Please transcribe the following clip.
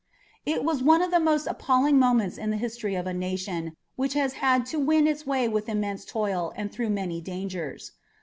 It was one of the most appalling moments in the history of a nation which has had to win its way with immense toil and through many dangers.